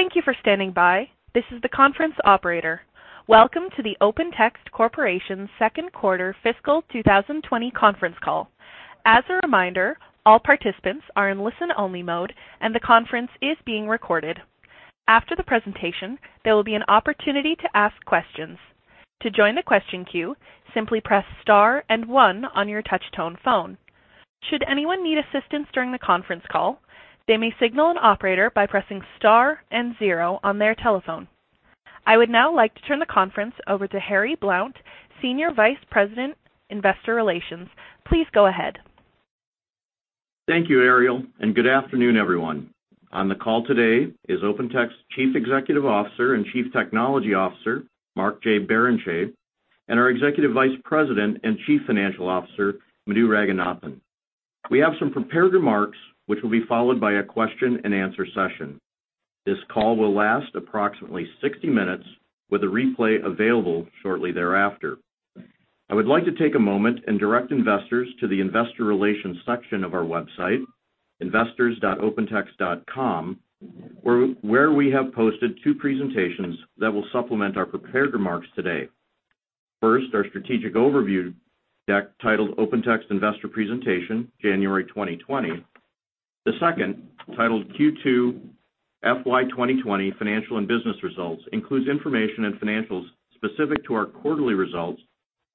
Thank you for standing by. This is the conference operator. Welcome to the OpenText Corporation's second quarter fiscal 2020 conference call. As a reminder, all participants are in listen-only mode, and the conference is being recorded. After the presentation, there will be an opportunity to ask questions. To join the question queue, simply press star and one on your touch-tone phone. Should anyone need assistance during the conference call, they may signal an operator by pressing star and zero on their telephone. I would now like to turn the conference over to Harry Blount, Senior Vice President, Investor Relations. Please go ahead. Thank you, Ariel, good afternoon, everyone. On the call today is OpenText Chief Executive Officer and Chief Technology Officer, Mark J. Barrenechea, and our Executive Vice President and Chief Financial Officer, Madhu Ranganathan. We have some prepared remarks, which will be followed by a question-and-answer session. This call will last approximately 60 minutes, with a replay available shortly thereafter. I would like to take a moment and direct investors to the investor relations section of our website, investors.opentext.com, where we have posted two presentations that will supplement our prepared remarks today. First, our strategic overview deck titled OpenText Investor Presentation January 2020. The second, titled Q2 FY 2020 Financial and Business Results, includes information and financials specific to our quarterly results,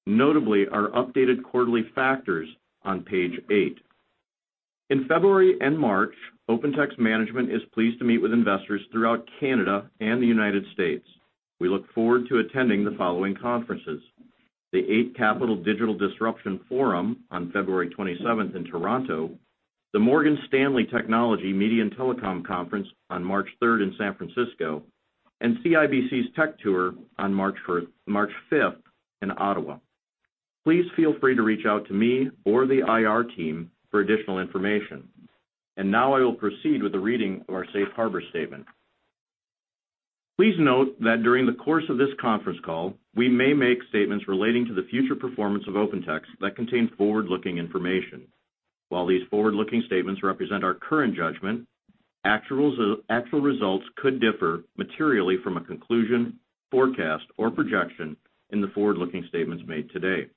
notably our updated quarterly factors on page eight. In February and March, OpenText management is pleased to meet with investors throughout Canada and the United States. We look forward to attending the following conferences: The Eight Capital Digital Disruption Forum on February 27th in Toronto, the Morgan Stanley Technology, Media, and Telecom Conference on March 3rd in San Francisco, and CIBC's Tech Tour on March 5th in Ottawa. Please feel free to reach out to me or the IR team for additional information. Now I will proceed with the reading of our safe harbor statement. Please note that during the course of this conference call, we may make statements relating to the future performance of OpenText that contain forward-looking information. While these forward-looking statements represent our current judgment, actual results could differ materially from a conclusion, forecast, or projection in the forward-looking statements made today.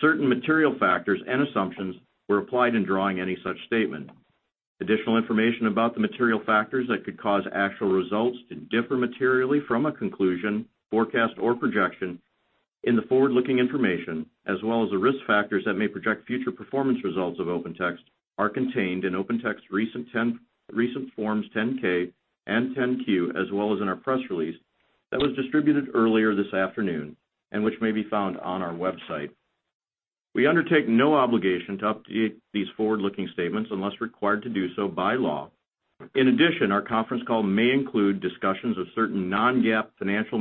Certain material factors and assumptions were applied in drawing any such statement. Additional information about the material factors that could cause actual results to differ materially from a conclusion, forecast, or projection in the forward-looking information, as well as the risk factors that may project future performance results of OpenText, are contained in OpenText recent Forms 10-K and 10-Q, as well as in our press release that was distributed earlier this afternoon and which may be found on our website. We undertake no obligation to update these forward-looking statements unless required to do so by law. In addition, our conference call may include discussions of certain non-GAAP financial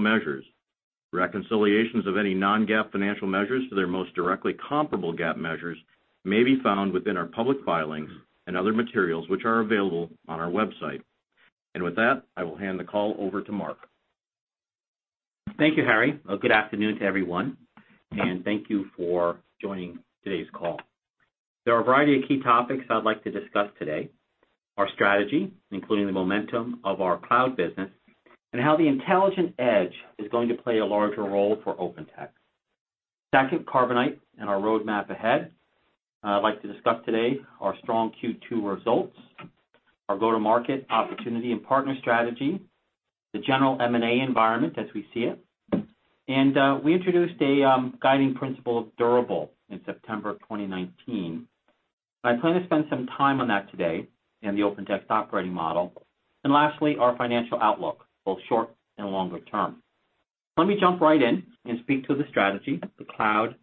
measures. Reconciliations of any non-GAAP financial measures to their most directly comparable GAAP measures may be found within our public filings and other materials, which are available on our website. With that, I will hand the call over to Mark. Thank you, Harry. Good afternoon to everyone, and thank you for joining today's call. There are a variety of key topics I'd like to discuss today. Our strategy, including the momentum of our cloud business and how the intelligent edge is going to play a larger role for OpenText. Second, Carbonite and our roadmap ahead. I'd like to discuss today our strong Q2 results, our go-to-market opportunity and partner strategy, the general M&A environment as we see it. We introduced a guiding principle of durable in September 2019. I plan to spend some time on that today and the OpenText operating model. Lastly, our financial outlook, both short and longer term. Let me jump right in and speak to the strategy, the cloud,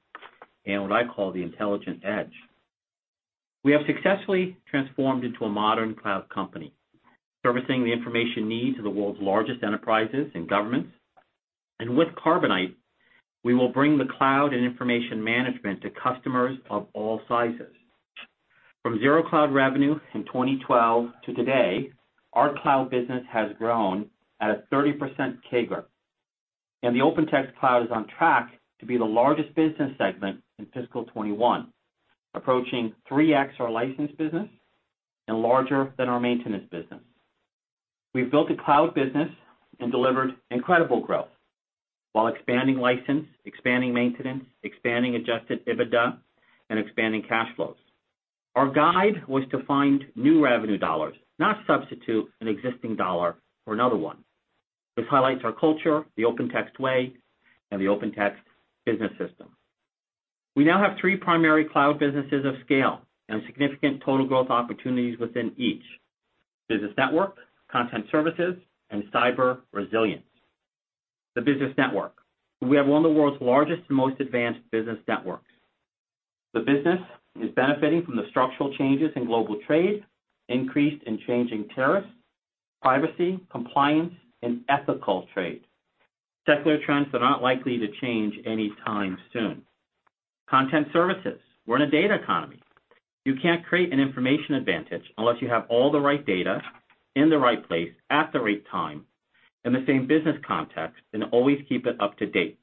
and what I call the intelligent edge. We have successfully transformed into a modern cloud company, servicing the information needs of the world's largest enterprises and governments. With Carbonite, we will bring the cloud and information management to customers of all sizes. From zero cloud revenue in 2012 to today, our cloud business has grown at a 30% CAGR, and the OpenText cloud is on track to be the largest business segment in fiscal 2021, approaching 3x our license business and larger than our maintenance business. We've built a cloud business and delivered incredible growth while expanding license, expanding maintenance, expanding adjusted EBITDA, and expanding cash flows. Our guide was to find new revenue dollars, not substitute an existing dollar for another one. This highlights our culture, the OpenText way, and the OpenText business system. We now have three primary cloud businesses of scale and significant total growth opportunities within each: Business Network, Content Services, and Cyber Resilience. The Business Network. We have one of the world's largest and most advanced business networks. The business is benefiting from the structural changes in global trade, increase in changing tariffs, privacy, compliance, and ethical trade. Secular trends are not likely to change any time soon. Content Services. We're in a data economy. You can't create an information advantage unless you have all the right data in the right place at the right time, in the same business context, and always keep it up to date.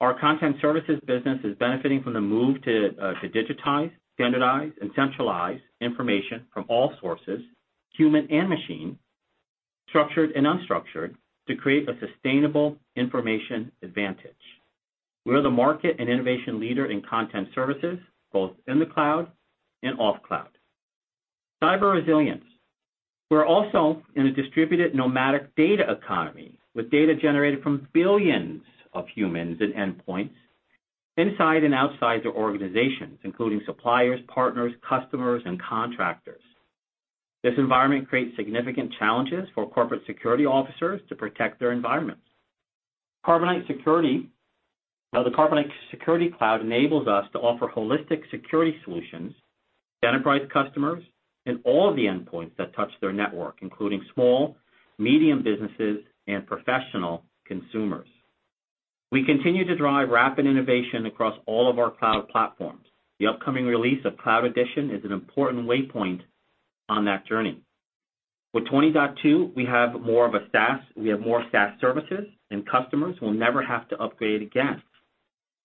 Our Content Services business is benefiting from the move to digitize, standardize, and centralize information from all sources, human and machine, structured and unstructured, to create a sustainable information advantage. We are the market and innovation leader in Content Services, both in the cloud and off cloud. Cyber Resilience. We're also in a distributed nomadic data economy, with data generated from billions of humans at endpoints inside and outside their organizations, including suppliers, partners, customers, and contractors. This environment creates significant challenges for corporate security officers to protect their environments. The Carbonite Security Cloud enables us to offer holistic security solutions to enterprise customers in all the endpoints that touch their network, including small, medium businesses, and professional consumers. We continue to drive rapid innovation across all of our cloud platforms. The upcoming release of Cloud Editions is an important waypoint on that journey. With 20.2, we have more SaaS services, and customers will never have to upgrade again.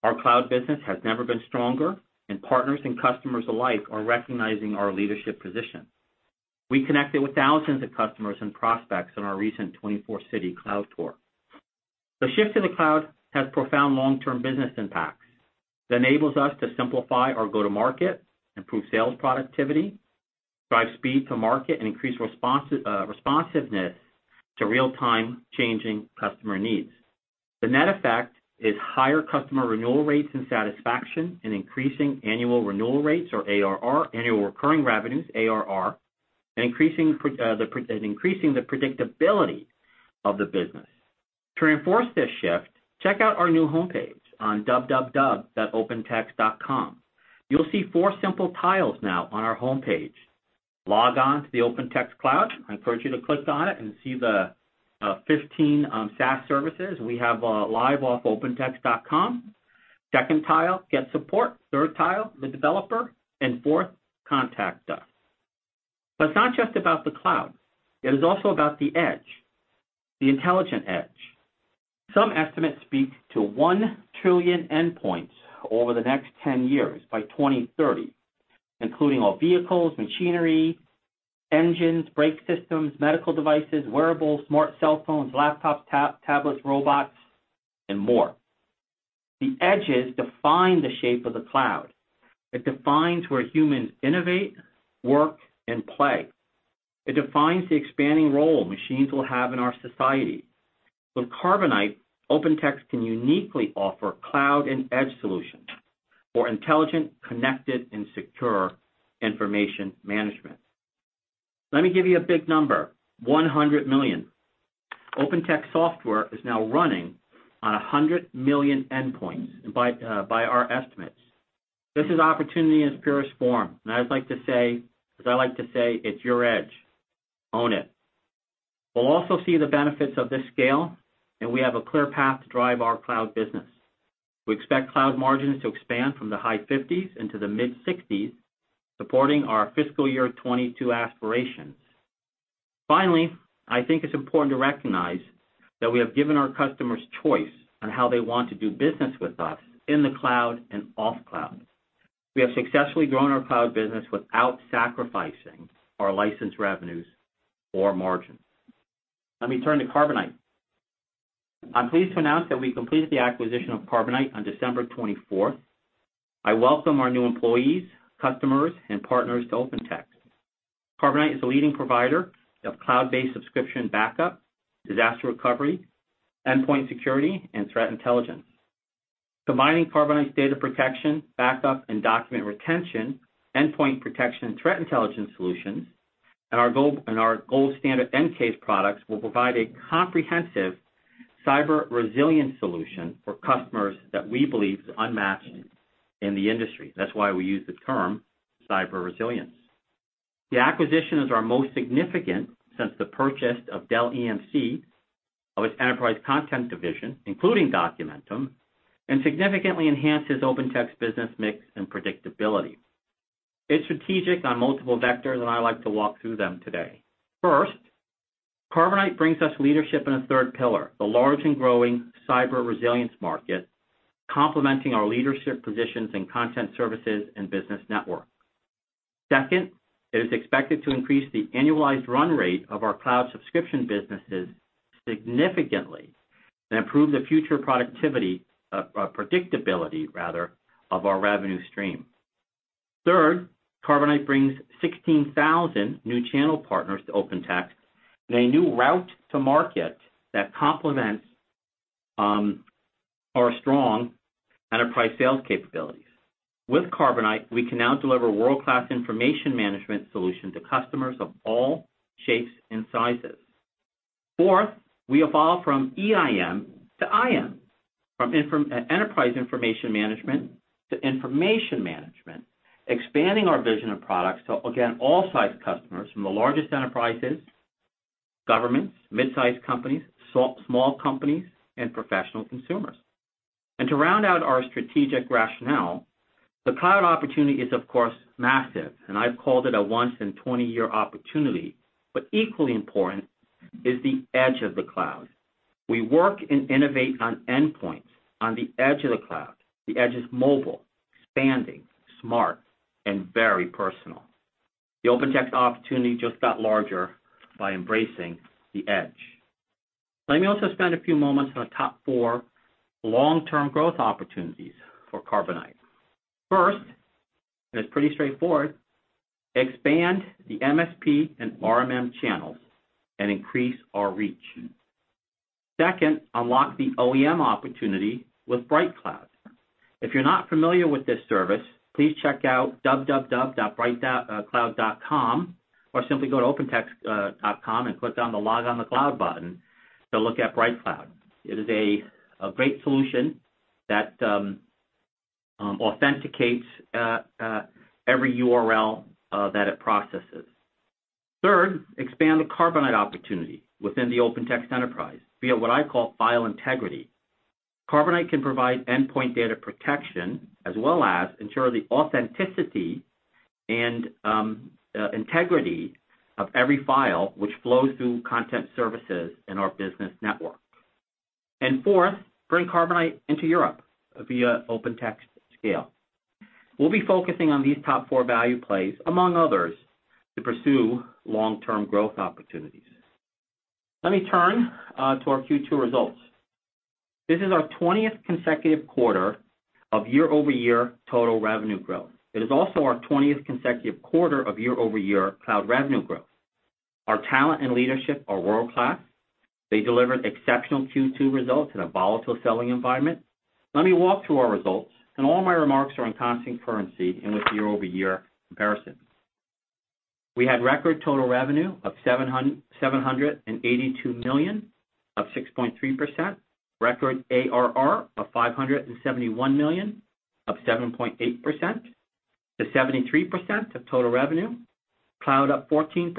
Our cloud business has never been stronger, and partners and customers alike are recognizing our leadership position. We connected with thousands of customers and prospects on our recent 24-city cloud tour. The shift to the cloud has profound long-term business impacts, that enables us to simplify our go-to market, improve sales productivity, drive speed to market, and increase responsiveness to real-time changing customer needs. The net effect is higher customer renewal rates and satisfaction, and increasing annual renewal rates or ARR, annual recurring revenues, ARR, and increasing the predictability of the business. To reinforce this shift, check out our new homepage on www.opentext.com. You'll see four simple tiles now on our homepage. Log on to the OpenText Cloud. I encourage you to click on it and see the 15 SaaS services we have live off opentext.com. Second tile, get support, third tile, the developer, and fourth, contact us. It's not just about the cloud. It is also about the edge, the intelligent edge. Some estimates speak to 1 trillion endpoints over the next 10 years by 2030, including all vehicles, machinery, engines, brake systems, medical devices, wearables, smart cell phones, laptops, tablets, robots, and more. The edges define the shape of the cloud. It defines where humans innovate, work, and play. It defines the expanding role machines will have in our society. With Carbonite, OpenText can uniquely offer cloud and edge solutions for intelligent, connected, and secure information management. Let me give you a big number, 100 million. OpenText software is now running on 100 million endpoints by our estimates. This is opportunity in its purest form. As I like to say, "It's your edge. Own it." We'll also see the benefits of this scale. We have a clear path to drive our cloud business. We expect cloud margins to expand from the high 50s into the mid 60s, supporting our fiscal year 2022 aspirations. Finally, I think it's important to recognize that we have given our customers choice on how they want to do business with us in the cloud and off cloud. We have successfully grown our cloud business without sacrificing our license revenues or margins. Let me turn to Carbonite. I'm pleased to announce that we completed the acquisition of Carbonite on December 24th. I welcome our new employees, customers, and partners to OpenText. Carbonite is a leading provider of cloud-based subscription backup, disaster recovery, endpoint security, and threat intelligence. Combining Carbonite's data protection, backup, and document retention, endpoint protection, and threat intelligence solutions, and our gold standard EnCase products will provide a comprehensive Cyber Resilience solution for customers that we believe is unmatched in the industry. That's why we use the term Cyber Resilience. The acquisition is our most significant since the purchase of Dell EMC of its Enterprise Content Division, including Documentum, and significantly enhances OpenText business mix and predictability. It's strategic on multiple vectors, I'd like to walk through them today. First, Carbonite brings us leadership in a third pillar, the large and growing Cyber Resilience market, complementing our leadership positions in Content Services and Business Network. Second, it is expected to increase the annualized run rate of our cloud subscription businesses significantly and improve the future productivity, predictability rather, of our revenue stream. Third, Carbonite brings 16,000 new channel partners to OpenText in a new route to market that complements our strong enterprise sales capabilities. With Carbonite, we can now deliver world-class information management solution to customers of all shapes and sizes. Fourth, we evolve from EIM to IM, from enterprise information management to information management, expanding our vision of products to, again, all size customers from the largest enterprises, governments, mid-size companies, small companies, and professional consumers. To round out our strategic rationale. The cloud opportunity is, of course, massive, and I've called it a once in 20 year opportunity. Equally important is the edge of the cloud. We work and innovate on endpoints on the edge of the cloud. The edge is mobile, expanding, smart, and very personal. The OpenText opportunity just got larger by embracing the edge. Let me also spend a few moments on the top four long-term growth opportunities for Carbonite. First, and it's pretty straightforward, expand the MSP and RMM channels and increase our reach. Second, unlock the OEM opportunity with BrightCloud. If you're not familiar with this service, please check out www.brightcloud.com or simply go to www.opentext.com and click on the Log on the Cloud button to look at BrightCloud. It is a great solution that authenticates every URL that it processes. Third, expand the Carbonite opportunity within the OpenText enterprise via what I call file integrity. Carbonite can provide endpoint data protection as well as ensure the authenticity and integrity of every file which flows through Content Services in our Business Network. Fourth, bring Carbonite into Europe via OpenText scale. We'll be focusing on these top four value plays, among others, to pursue long-term growth opportunities. Let me turn to our Q2 results. This is our 20th consecutive quarter of year-over-year total revenue growth. It is also our 20th consecutive quarter of year-over-year cloud revenue growth. Our talent and leadership are world-class. They delivered exceptional Q2 results in a volatile selling environment. Let me walk through our results. All my remarks are in constant currency and with year-over-year comparisons. We had record total revenue of $782 million, up 6.3%. Record ARR of $571 million, up 7.8%-73% of total revenue. Cloud up 14%,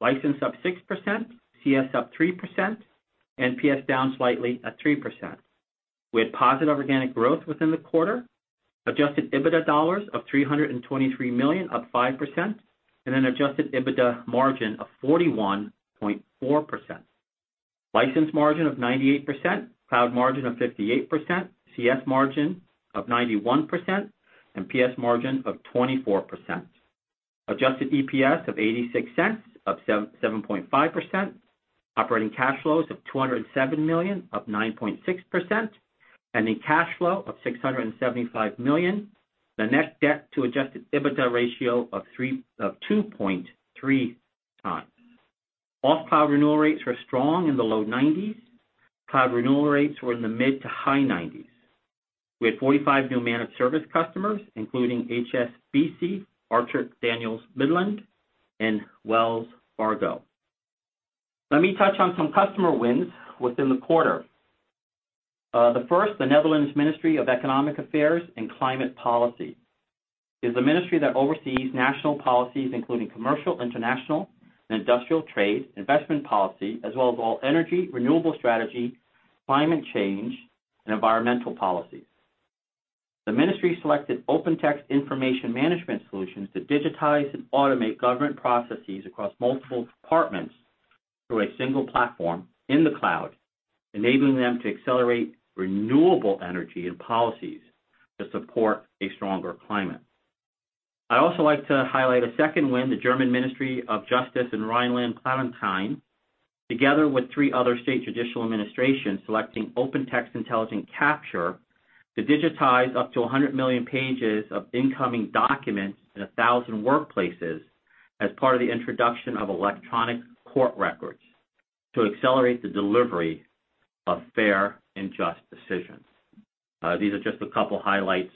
license up 6%, CS up 3%, and PS down slightly at 3%. We had positive organic growth within the quarter, adjusted EBITDA dollars of $323 million, up 5%, and an adjusted EBITDA margin of 41.4%. License margin of 98%, Cloud margin of 58%, CS margin of 91%, and PS margin of 24%. Adjusted EPS of $0.86, up 7.5%, operating cash flows of $207 million, up 9.6%, and a cash flow of $675 million. The net debt to adjusted EBITDA ratio of 2.3x. Off-cloud renewal rates were strong in the low 90s. Cloud renewal rates were in the mid to high 90s. We had 45 new managed service customers, including HSBC, Archer-Daniels-Midland, and Wells Fargo. Let me touch on some customer wins within the quarter. The first, the Netherlands Ministry of Economic Affairs and Climate Policy, is a ministry that oversees national policies including commercial, international, and industrial trade, investment policy, as well as all energy, renewable strategy, climate change, and environmental policies. The ministry selected OpenText information management solutions to digitize and automate government processes across multiple departments through a single platform in the cloud, enabling them to accelerate renewable energy and policies to support a stronger climate. I'd also like to highlight a second win, the German Ministry of Justice in Rheinland-Pfalz, together with three other state judicial administrations selecting OpenText Intelligent Capture to digitize up to 100 million pages of incoming documents in 1,000 workplaces as part of the introduction of electronic court records to accelerate the delivery of fair and just decisions. These are just a couple highlights.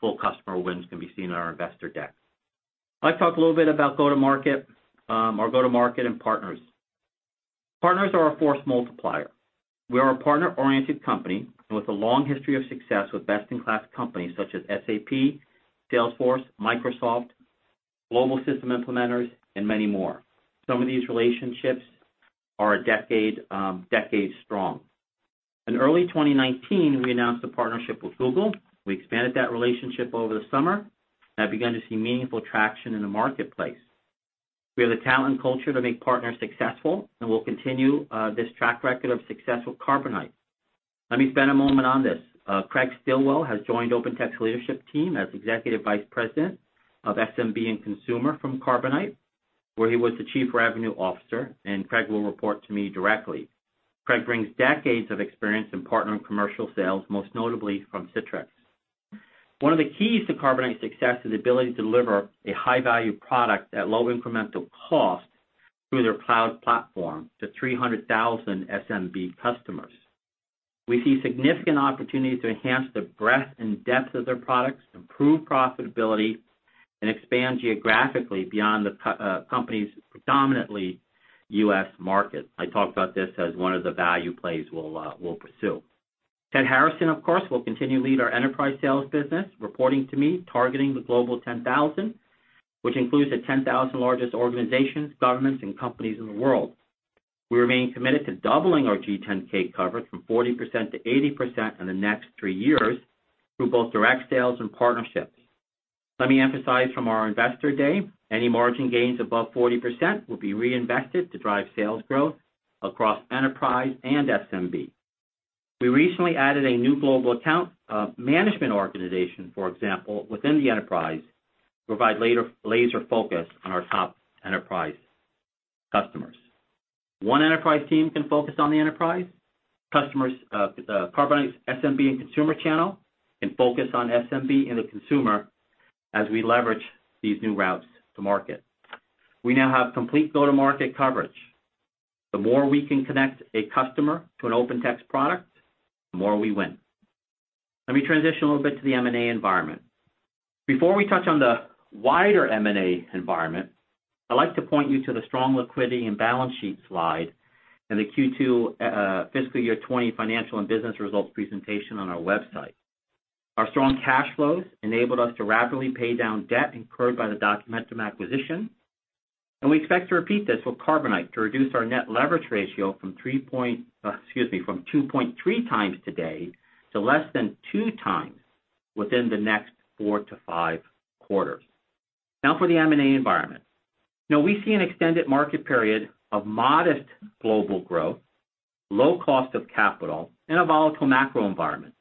Full customer wins can be seen in our investor deck. I'd like to talk a little bit about go-to-market, our go-to-market and partners. Partners are our force multiplier. We are a partner-oriented company with a long history of success with best-in-class companies such as SAP, Salesforce, Microsoft, global system implementers, and many more. Some of these relationships are decades strong. In early 2019, we announced a partnership with Google. We expanded that relationship over the summer and have begun to see meaningful traction in the marketplace. We have the talent and culture to make partners successful, and we'll continue this track record of success with Carbonite. Let me spend a moment on this. Craig Stilwell has joined OpenText leadership team as Executive Vice President of SMB and Consumer from Carbonite, where he was the Chief Revenue Officer, and Craig will report to me directly. Craig brings decades of experience in partner and commercial sales, most notably from Citrix. One of the keys to Carbonite's success is the ability to deliver a high-value product at low incremental cost through their cloud platform to 300,000 SMB customers. We see significant opportunities to enhance the breadth and depth of their products, improve profitability, and expand geographically beyond the company's predominantly U.S. market. I talked about this as one of the value plays we'll pursue. Ted Harrison, of course, will continue to lead our enterprise sales business, reporting to me, targeting the Global 10,000, which includes the 10,000 largest organizations, governments, and companies in the world. We remain committed to doubling our G10K coverage from 40%-80% in the next three years through both direct sales and partnerships. Let me emphasize from our investor day, any margin gains above 40% will be reinvested to drive sales growth across enterprise and SMB. We recently added a new global account management organization, for example, within the enterprise to provide laser focus on our top enterprise customers. One enterprise team can focus on the enterprise, Carbonite's SMB and consumer channel can focus on SMB and the consumer as we leverage these new routes to market. We now have complete go-to-market coverage. The more we can connect a customer to an OpenText product, the more we win. Let me transition a little bit to the M&A environment. Before we touch on the wider M&A environment, I'd like to point you to the strong liquidity and balance sheet slide in the Q2 fiscal year 2020 financial and business results presentation on our website. Our strong cash flows enabled us to rapidly pay down debt incurred by the Documentum acquisition, and we expect to repeat this with Carbonite to reduce our net leverage ratio from 2.3x today to less than 2x within the next four to five quarters. For the M&A environment. We see an extended market period of modest global growth, low cost of capital, and a volatile macro environment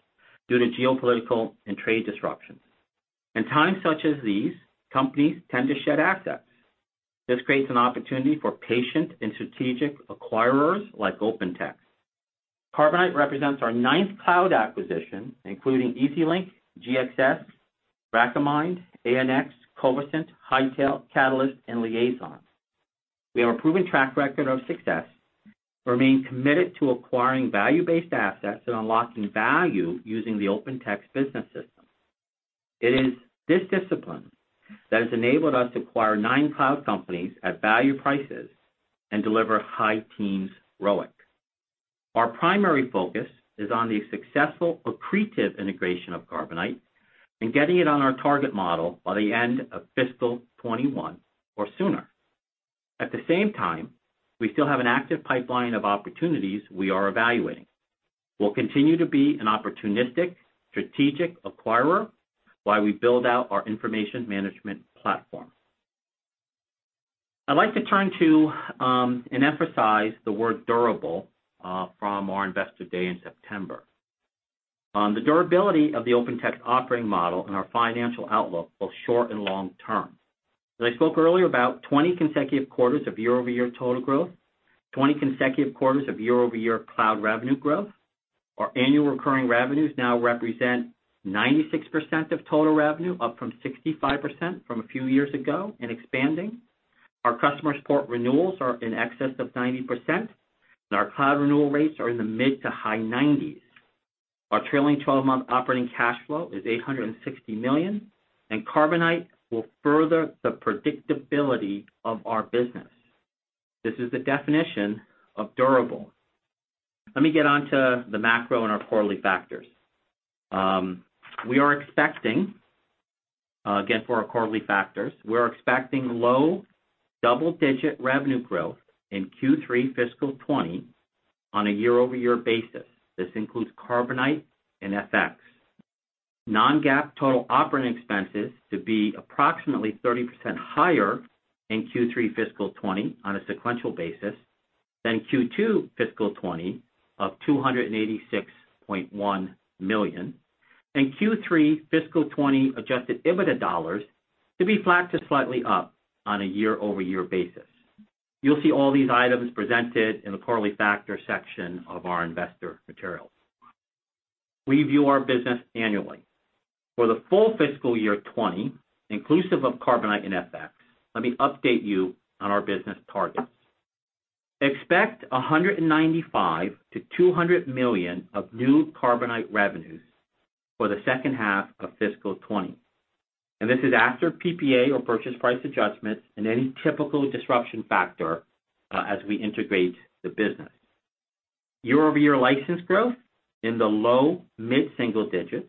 due to geopolitical and trade disruptions. In times such as these, companies tend to shed assets. This creates an opportunity for patient and strategic acquirers like OpenText. Carbonite represents our ninth cloud acquisition, including EasyLink, GXS, Recommind, ANX, Covisint, Hightail, Catalyst, and Liaison. We have a proven track record of success, remain committed to acquiring value-based assets and unlocking value using the OpenText business system. It is this discipline that has enabled us to acquire nine cloud companies at value prices and deliver high teens ROIC. Our primary focus is on the successful accretive integration of Carbonite and getting it on our target model by the end of fiscal 2021 or sooner. At the same time, we still have an active pipeline of opportunities we are evaluating. We'll continue to be an opportunistic strategic acquirer while we build out our information management platform. I'd like to turn to and emphasize the word durable from our investor day in September. The durability of the OpenText operating model and our financial outlook, both short and long term. As I spoke earlier about 20 consecutive quarters of year-over-year total growth, 20 consecutive quarters of year-over-year cloud revenue growth. Our annual recurring revenues now represent 96% of total revenue, up from 65% from a few years ago and expanding. Our customer support renewals are in excess of 90%, and our cloud renewal rates are in the mid to high 90s. Our trailing 12-month operating cash flow is $860 million, and Carbonite will further the predictability of our business. This is the definition of durable. Let me get onto the macro and our quarterly factors. Again, for our quarterly factors, we're expecting low double-digit revenue growth in Q3 fiscal 2020 on a year-over-year basis. This includes Carbonite and FX. Non-GAAP total operating expenses to be approximately 30% higher in Q3 fiscal 2020 on a sequential basis than Q2 fiscal 2020 of $286.1 million. Q3 fiscal 2020 adjusted EBITDA dollars to be flat to slightly up on a year-over-year basis. You'll see all these items presented in the quarterly factors section of our investor materials. We view our business annually. For the full fiscal year 2020, inclusive of Carbonite and FX, let me update you on our business targets. Expect $195 million-$200 million of new Carbonite revenues for the second half of fiscal 2020. This is after PPA or purchase price adjustments and any typical disruption factor as we integrate the business. Year-over-year license growth in the low-mid single digits.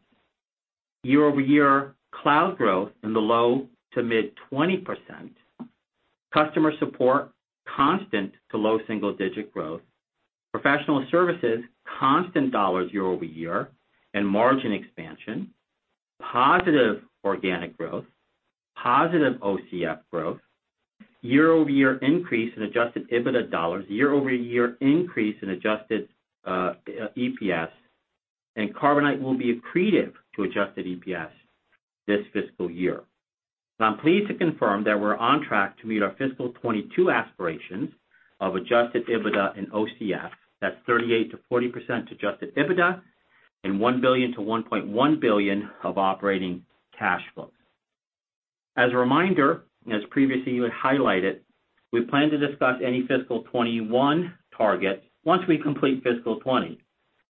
Year-over-year cloud growth in the low-to-mid 20%. Customer support, constant to low single-digit growth. Professional services, constant dollars year-over-year and margin expansion. Positive organic growth. Positive OCF growth. Year-over-year increase in adjusted EBITDA dollars. Year-over-year increase in adjusted EPS. Carbonite will be accretive to adjusted EPS this fiscal year. I'm pleased to confirm that we're on track to meet our fiscal 2022 aspirations of adjusted EBITDA and OCF. That's 38%-40% adjusted EBITDA and $1 billion-$1.1 billion of operating cash flow. As a reminder, as previously highlighted, we plan to discuss any fiscal 2021 targets once we complete fiscal 2020.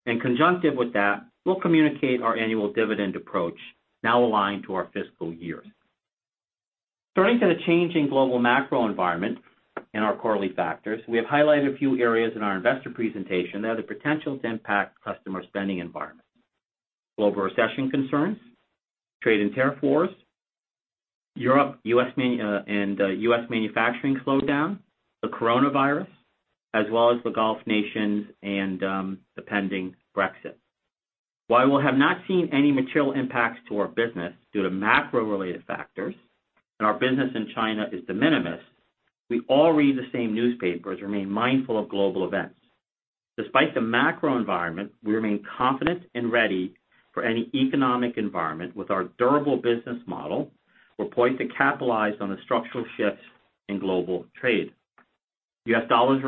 In conjunction with that, we'll communicate our annual dividend approach now aligned to our fiscal years. Turning to the changing global macro environment and our quarterly factors, we have highlighted a few areas in our investor presentation that have the potential to impact customer spending environments. Global recession concerns, trade and tariff wars, Europe and U.S. manufacturing slowdown, the coronavirus, as well as the Gulf nations and the pending Brexit. While we have not seen any material impacts to our business due to macro-related factors, and our business in China is de minimis, we all read the same newspapers and remain mindful of global events. Despite the macro environment, we remain confident and ready for any economic environment with our durable business model. We're poised to capitalize on the structural shifts in global trade. The U.S. dollar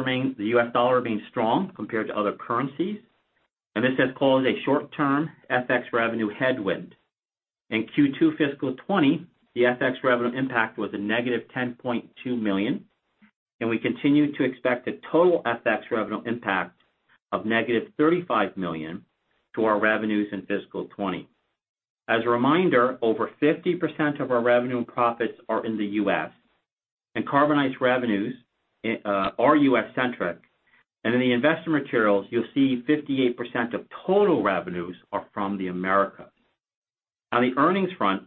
remains strong compared to other currencies, and this has caused a short-term FX revenue headwind. In Q2 fiscal 2020, the FX revenue impact was a negative $10.2 million, and we continue to expect a total FX revenue impact of negative $35 million to our revenues in fiscal 2020. As a reminder, over 50% of our revenue and profits are in the U.S., and Carbonite's revenues are U.S.-centric. In the investor materials, you'll see 58% of total revenues are from the Americas. On the earnings front,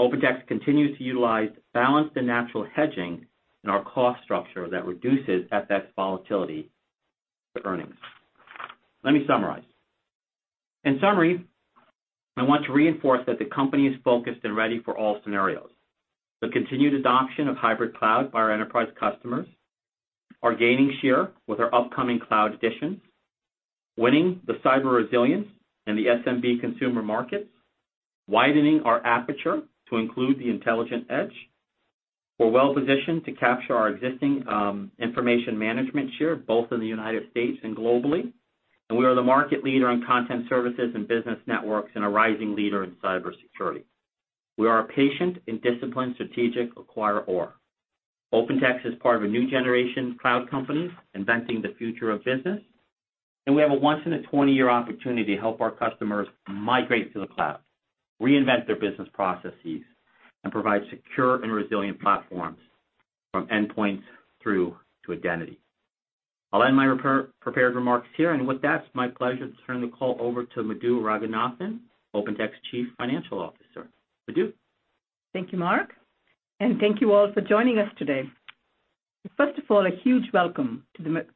OpenText continues to utilize balanced and natural hedging in our cost structure that reduces FX volatility to earnings. Let me summarize. In summary, I want to reinforce that the company is focused and ready for all scenarios. The continued adoption of hybrid cloud by our enterprise customers are gaining share with our upcoming Cloud Editions, winning the Cyber Resilience in the SMB consumer markets, widening our aperture to include the intelligent edge. We're well positioned to capture our existing information management share, both in the United States, and globally, and we are the market leader in Content Services and Business Networks, and a rising leader in cybersecurity. We are a patient and disciplined strategic acquirer. OpenText is part of a new generation cloud company inventing the future of business, and we have a once in a 20-year opportunity to help our customers migrate to the cloud, reinvent their business processes, and provide secure and resilient platforms from endpoints through to identity. I'll end my prepared remarks here. With that, it's my pleasure to turn the call over to Madhu Ranganathan, OpenText Chief Financial Officer. Madhu? Thank you, Mark, and thank you all for joining us today. First of all, a huge welcome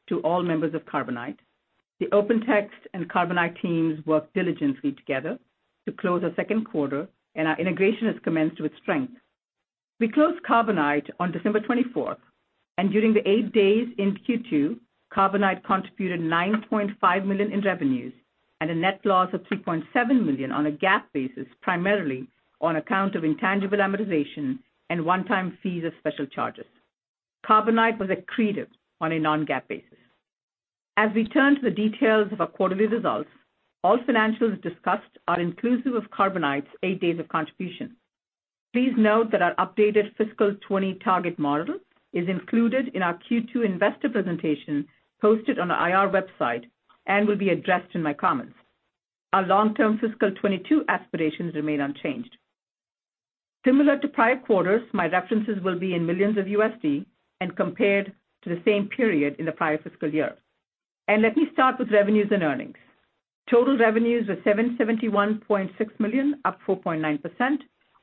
to all members of Carbonite. The OpenText and Carbonite teams worked diligently together to close the second quarter, and our integration has commenced with strength. We closed Carbonite on December 24th, and during the eight days in Q2, Carbonite contributed $9.5 million in revenues and a net loss of $3.7 million on a GAAP basis, primarily on account of intangible amortization and one-time fees of special charges. Carbonite was accretive on a non-GAAP basis. As we turn to the details of our quarterly results, all financials discussed are inclusive of Carbonite's eight days of contribution. Please note that our updated fiscal 2020 target model is included in our Q2 investor presentation posted on our IR website and will be addressed in my comments. Our long-term fiscal 2022 aspirations remain unchanged. Similar to prior quarters, my references will be in millions of USD and compared to the same period in the prior fiscal year. Let me start with revenues and earnings. Total revenues were $771.6 million, up 4.9%,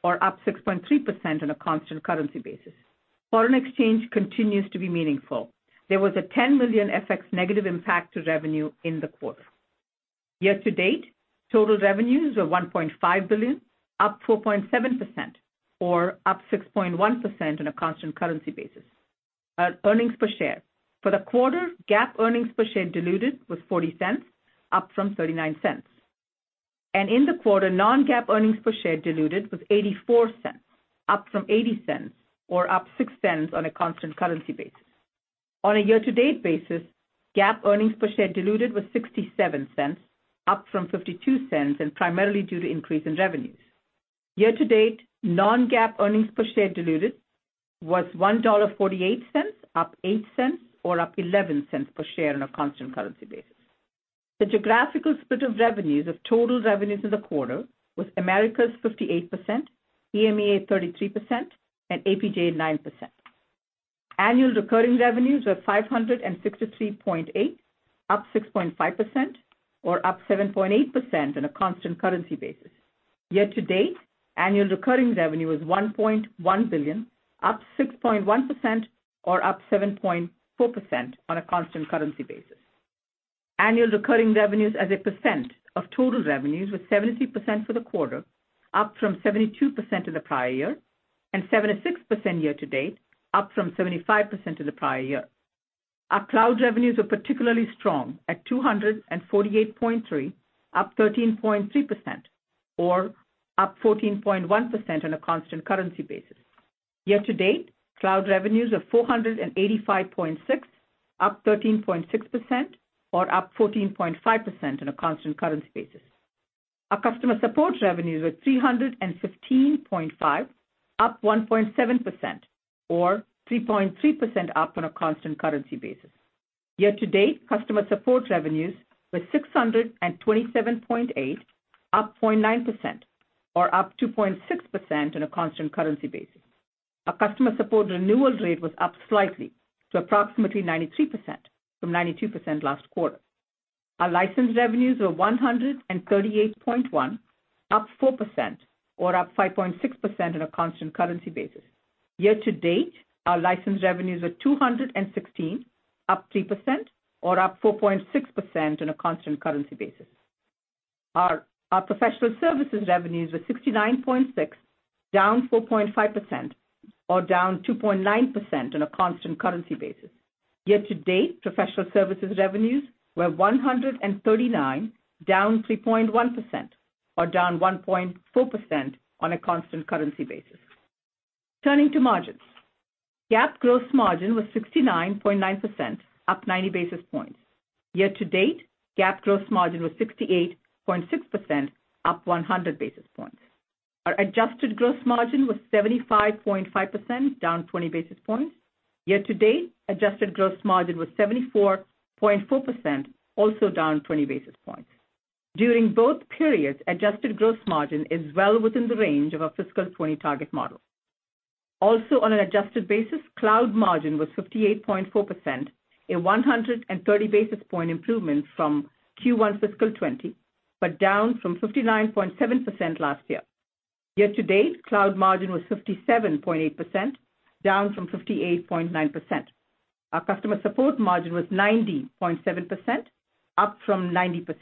or up 6.3% on a constant currency basis. Foreign exchange continues to be meaningful. There was a $10 million FX negative impact to revenue in the quarter. Year to date, total revenues are $1.5 billion, up 4.7%, or up 6.1% on a constant currency basis. Earnings per share. For the quarter, GAAP earnings per share diluted was $0.40, up from $0.39. In the quarter, non-GAAP earnings per share diluted was $0.84, up from $0.80, or up $0.06 on a constant currency basis. On a year to date basis, GAAP earnings per share diluted was $0.67, up from $0.52, and primarily due to increase in revenues. Year to date, non-GAAP earnings per share diluted was $1.48, up $0.08, or up $0.11 per share on a constant currency basis. The geographical split of revenues of total revenues in the quarter was Americas 58%, EMEA 33%, and APJ 9%. Annual recurring revenues were $563.8 million, up 6.5%, or up 7.8% on a constant currency basis. Year to date, annual recurring revenue is $1.1 billion, up 6.1%, or up 7.4% on a constant currency basis. Annual recurring revenues as a percent of total revenues was 73% for the quarter, up from 72% in the prior year, and 76% year to date, up from 75% in the prior year. Our cloud revenues were particularly strong at $248.3, up 13.3%, or up 14.1% on a constant currency basis. Year to date, cloud revenues of $485.6, up 13.6%, or up 14.5% on a constant currency basis. Our customer support revenues were $315.5, up 1.7%, or 3.3% up on a constant currency basis. Year to date, customer support revenues were $627.8, up 0.9%, or up 2.6% on a constant currency basis. Our customer support renewal rate was up slightly to approximately 93% from 92% last quarter. Our license revenues were $138.1, up 4%, or up 5.6% on a constant currency basis. Year to date, our license revenues were $216, up 3%, or up 4.6% on a constant currency basis. Our professional services revenues were $69.6, down 4.5%, or down 2.9% on a constant currency basis. Year to date, professional services revenues were $139, down 3.1%, or down 1.4% on a constant currency basis. Turning to margins. GAAP gross margin was 69.9%, up 90 basis points. Year to date, GAAP gross margin was 68.6%, up 100 basis points. Our adjusted gross margin was 75.5%, down 20 basis points. Year to date, adjusted gross margin was 74.4%, also down 20 basis points. During both periods, adjusted gross margin is well within the range of our fiscal 2020 target model. Also on an adjusted basis, cloud margin was 58.4%, a 130 basis point improvement from Q1 fiscal 2020, but down from 59.7% last year. Year to date, cloud margin was 57.8%, down from 58.9%. Our customer support margin was 90.7%, up from 90%.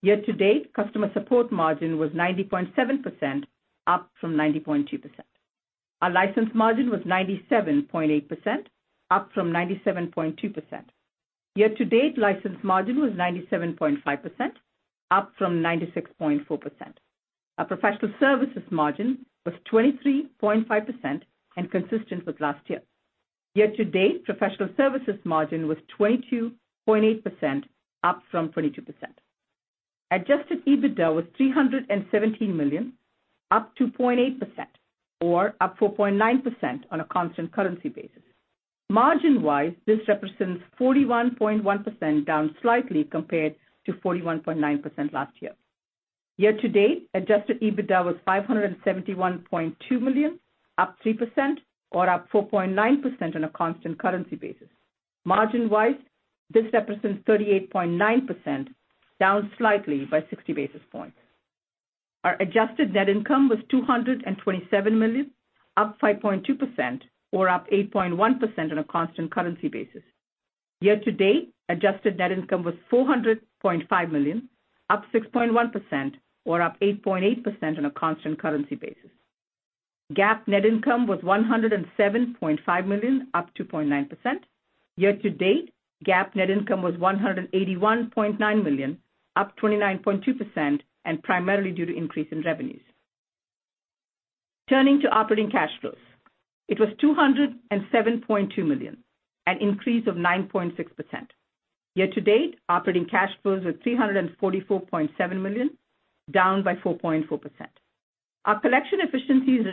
Year to date, customer support margin was 90.7%, up from 90.2%. Our license margin was 97.8%, up from 97.2%. Year to date, license margin was 97.5%, up from 96.4%. Our professional services margin was 23.5% and consistent with last year. Year to date, professional services margin was 22.8%, up from 22%. Adjusted EBITDA was $317 million, up 2.8%, or up 4.9% on a constant currency basis. Margin-wise, this represents 41.1%, down slightly compared to 41.9% last year. Year to date, Adjusted EBITDA was $571.2 million, up 3%, or up 4.9% on a constant currency basis. Margin-wise, this represents 38.9%, down slightly by 60 basis points. Our adjusted net income was $227 million, up 5.2%, or up 8.1% on a constant currency basis. Year to date, adjusted net income was $400.5 million, up 6.1%, or up 8.8% on a constant currency basis. GAAP net income was $107.5 million, up 2.9%. Year to date, GAAP net income was $181.9 million, up 29.2%, primarily due to increase in revenues. Turning to operating cash flows. It was $207.2 million, an increase of 9.6%. Year to date, operating cash flows were $344.7 million, down by 4.4%. Our collection efficiencies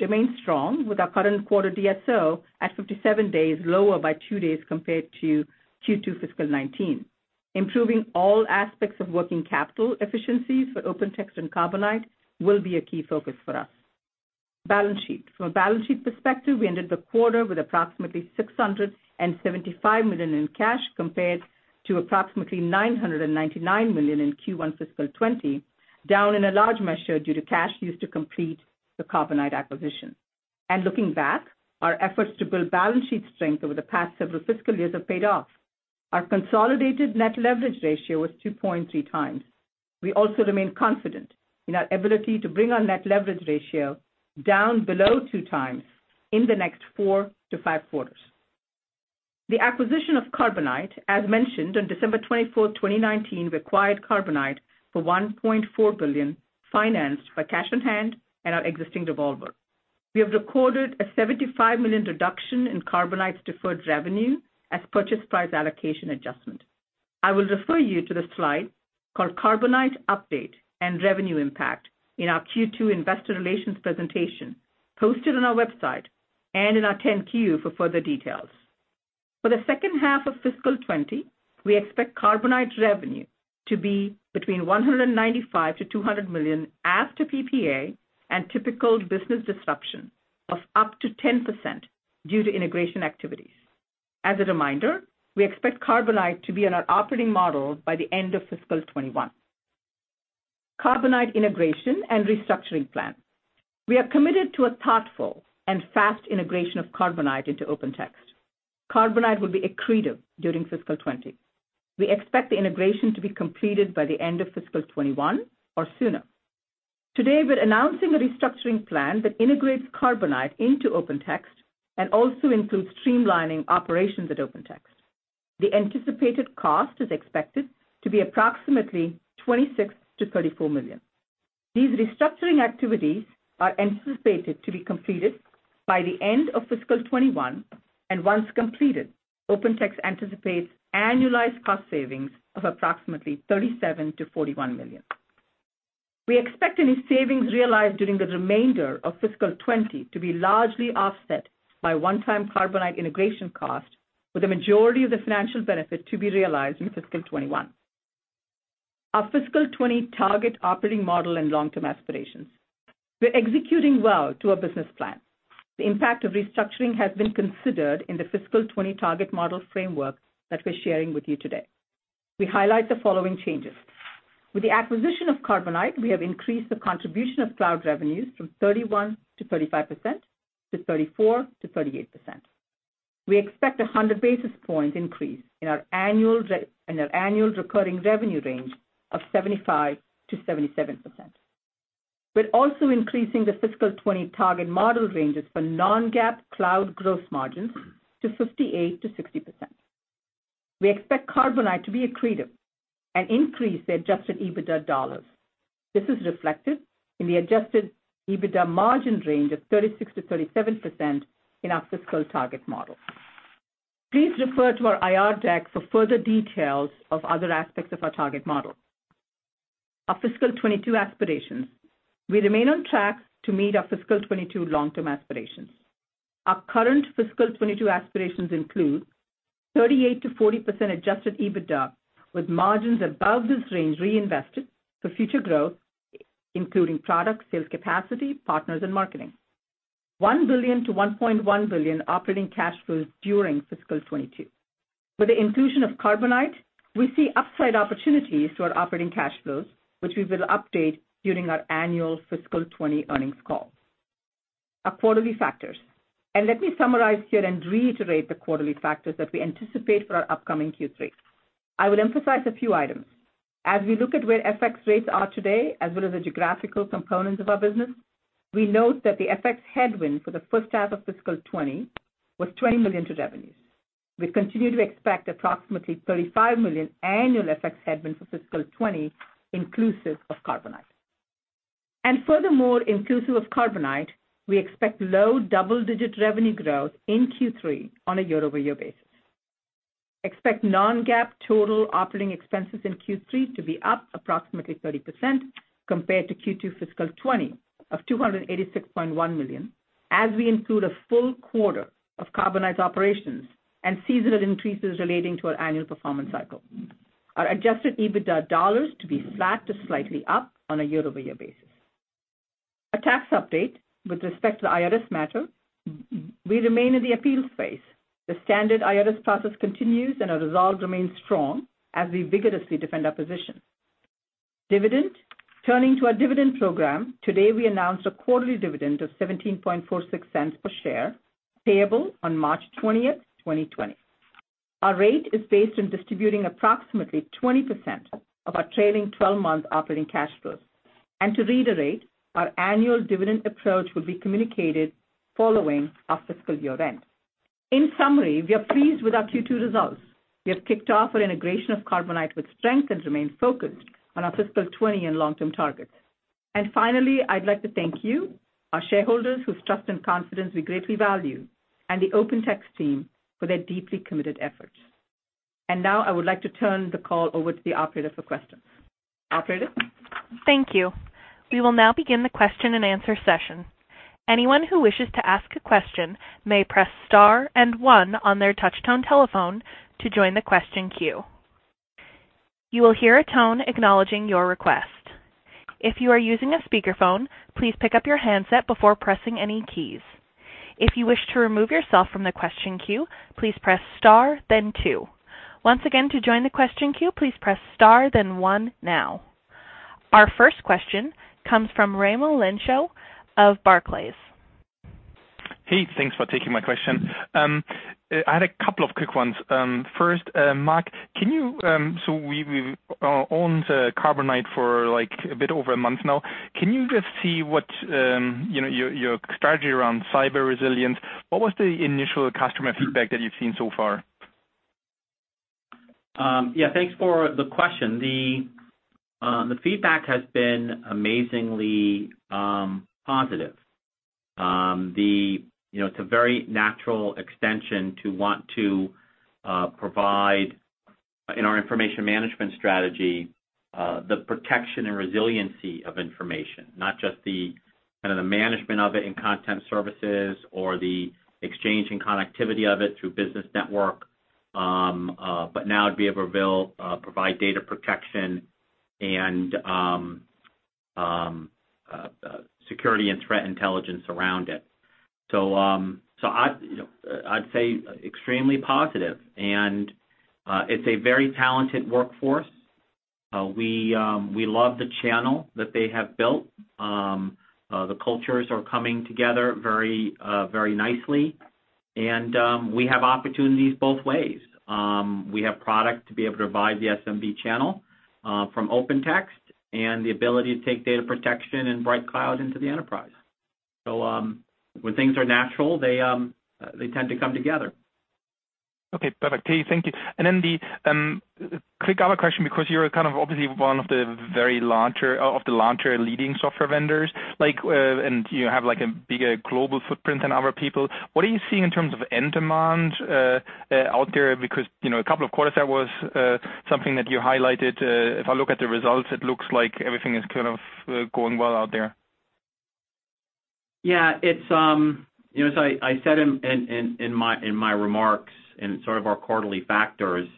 remain strong with our current quarter DSO at 57 days, lower by two days compared to Q2 fiscal 2019. Improving all aspects of working capital efficiency for OpenText and Carbonite will be a key focus for us. Balance sheet. From a balance sheet perspective, we ended the quarter with approximately $675 million in cash compared to approximately $999 million in Q1 fiscal 2020, down in a large measure due to cash used to complete the Carbonite acquisition. Looking back, our efforts to build balance sheet strength over the past several fiscal years have paid off. Our consolidated net leverage ratio was 2.3x. We also remain confident in our ability to bring our net leverage ratio down below 2x in the next four to five quarters. The acquisition of Carbonite, as mentioned on December 24th, 2019, we acquired Carbonite for $1.4 billion, financed by cash on hand and our existing revolver. We have recorded a $75 million reduction in Carbonite's deferred revenue as purchase price allocation adjustment. I will refer you to the slide called Carbonite Update and Revenue Impact in our Q2 investor relations presentation posted on our website and in our 10-Q for further details. For the second half of fiscal 2020, we expect Carbonite revenue to be between $195 million-$200 million as to PPA and typical business disruption of up to 10% due to integration activities. As a reminder, we expect Carbonite to be in our operating model by the end of fiscal 2021. Carbonite integration and restructuring plan. We are committed to a thoughtful and fast integration of Carbonite into OpenText. Carbonite will be accretive during fiscal 2020. We expect the integration to be completed by the end of fiscal 2021 or sooner. Today, we're announcing a restructuring plan that integrates Carbonite into OpenText and also includes streamlining operations at OpenText. The anticipated cost is expected to be approximately $26 million-$34 million. These restructuring activities are anticipated to be completed by the end of fiscal 2021, and once completed, OpenText anticipates annualized cost savings of approximately $37 million-$41 million. We expect any savings realized during the remainder of fiscal 2020 to be largely offset by one-time Carbonite integration cost, with the majority of the financial benefit to be realized in fiscal 2021. Our fiscal 2020 target operating model and long-term aspirations. We're executing well to our business plan. The impact of restructuring has been considered in the fiscal 2020 target model framework that we're sharing with you today. We highlight the following changes. With the acquisition of Carbonite, we have increased the contribution of cloud revenues from 31%-35%, to 34%-38%. We expect a 100 basis point increase in our annual recurring revenue range of 75%-77%. We're also increasing the fiscal 2020 target model ranges for non-GAAP cloud gross margins to 58%-60%. We expect Carbonite to be accretive and increase the adjusted EBITDA dollars. This is reflected in the adjusted EBITDA margin range of 36%-37% in our fiscal target model. Please refer to our IR deck for further details of other aspects of our target model. Our fiscal 2022 aspirations. We remain on track to meet our fiscal 2022 long-term aspirations. Our current fiscal 2022 aspirations include 38%-40% adjusted EBITDA, with margins above this range reinvested for future growth, including product sales capacity, partners, and marketing. $1 billion to $1.1 billion operating cash flows during fiscal 2022. With the inclusion of Carbonite, we see upside opportunities to our operating cash flows, which we will update during our annual fiscal 2020 earnings call. Our quarterly factors, let me summarize here and reiterate the quarterly factors that we anticipate for our upcoming Q3. I will emphasize a few items. As we look at where FX rates are today, as well as the geographical components of our business, we note that the FX headwind for the first half of fiscal 2020 was $20 million to revenues. We continue to expect approximately $35 million annual FX headwind for fiscal 2020, inclusive of Carbonite. Furthermore, inclusive of Carbonite, we expect low double-digit revenue growth in Q3 on a year-over-year basis. Expect non-GAAP total operating expenses in Q3 to be up approximately 30% compared to Q2 fiscal 2020 of $286.1 million, as we include a full quarter of Carbonite's operations and seasonal increases relating to our annual performance cycle. Our adjusted EBITDA dollars to be flat to slightly up on a year-over-year basis. A tax update with respect to the IRS matter. We remain in the appeals phase. The standard IRS process continues, our resolve remains strong as we vigorously defend our position. Dividend. Turning to our dividend program, today, we announced a quarterly dividend of $0.1746 per share, payable on March 20th, 2020. Our rate is based on distributing approximately 20% of our trailing 12-month operating cash flows. To reiterate, our annual dividend approach will be communicated following our fiscal year-end. In summary, we are pleased with our Q2 results. We have kicked off our integration of Carbonite with strength and remain focused on our fiscal 2020 and long-term targets. Finally, I'd like to thank you, our shareholders, whose trust and confidence we greatly value, and the OpenText team for their deeply committed efforts. Now I would like to turn the call over to the Operator for questions. Operator? Thank you. We will now begin the question-and-answer session. Anyone who wishes to ask a question may press star and one on their touchtone telephone to join the question queue. You will hear a tone acknowledging your request. If you are using a speakerphone, please pick up your handset before pressing any keys. If you wish to remove yourself from the question queue, please press star, then two. Once again, to join the question queue, please press star, then one now. Our first question comes from Raimo Lenschow of Barclays. Hey, thanks for taking my question. I had a couple of quick ones. First, Mark, we've owned Carbonite for a bit over a month now. Can you just see what your strategy around Cyber Resilience, what was the initial customer feedback that you've seen so far? Yeah, thanks for the question. The feedback has been amazingly positive. It's a very natural extension to want to provide, in our information management strategy, the protection and resiliency of information, not just the management of it in Content Services or the exchange and connectivity of it through Business Network. Now to be able to provide data protection and security and threat intelligence around it. I'd say extremely positive, and it's a very talented workforce. We love the channel that they have built. The cultures are coming together very nicely. We have opportunities both ways. We have product to be able to provide the SMB channel from OpenText and the ability to take data protection and BrightCloud into the enterprise. When things are natural, they tend to come together. Okay, perfect. Hey, thank you. The quick other question, because you're kind of obviously one of the larger leading software vendors, and you have a bigger global footprint than other people. What are you seeing in terms of end demand out there? A couple of quarters that was something that you highlighted. If I look at the results, it looks like everything is kind of going well out there. Yeah. I said in my remarks, in sort of our quarterly factors,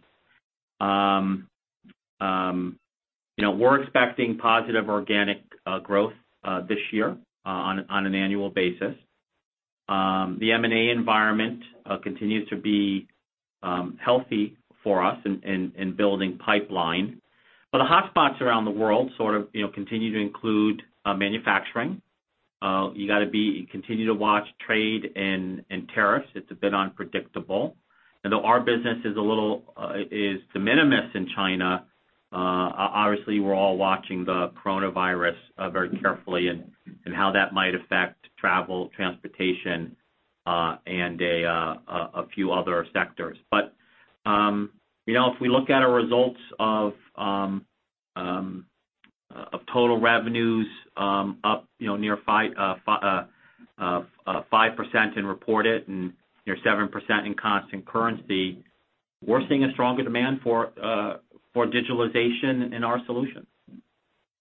we're expecting positive organic growth this year on an annual basis. The M&A environment continues to be healthy for us in building pipeline. The hotspots around the world sort of continue to include manufacturing. You got to continue to watch trade and tariffs. It's a bit unpredictable. Though our business is de minimis in China, obviously we're all watching the coronavirus very carefully and how that might affect travel, transportation, and a few other sectors. If we look at our results of total revenues up near 5% in reported and near 7% in constant currency, we're seeing a stronger demand for digitalization in our solutions.